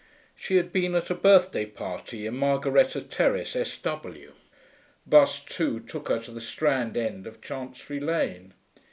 She had been at a birthday party in Margaretta Terrace, S.W. Bus 2 took her to the Strand end of Chancery Lane.